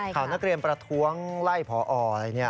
ข่าวนักเรียนประท้วงไล่พออะไรเนี่ย